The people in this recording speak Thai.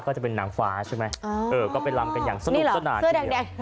ก็จะเป็นนางฟ้าใช่ไหมเออก็ไปลำกันอย่างสนุกสนาน